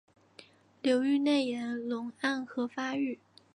流域内岩溶暗河发育。